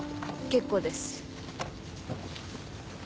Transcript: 結構です。